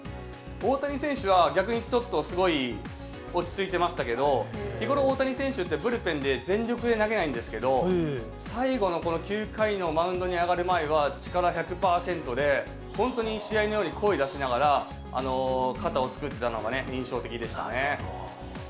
大谷選手は、逆にちょっと、すごい落ち着いてましたけど、日ごろ、大谷選手ってブルペンで全力で投げないんですけど、最後のこの９回のマウンドに上がる前は、力１００％で、本当に試合のように声出しながら、肩を作ってたのが印象的でしたね。